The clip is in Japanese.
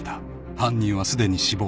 ［犯人はすでに死亡］